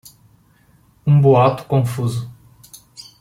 um boato confuso